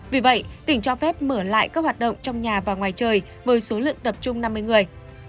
vì vậy tỉnh cho phép mở lại các hoạt động trong nhà và ngoài trời với số lượng tập trung năm mươi người